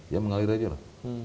ya mengalir aja lah